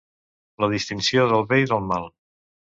La distinció del bé i del mal.